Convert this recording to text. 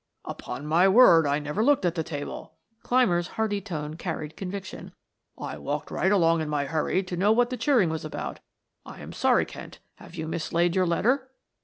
"Upon my word I never looked at the table," Clymer's hearty tone carried conviction. "I walked right along in my hurry to know what the cheering was about. I am sorry, Kent; have you mislaid your letter?"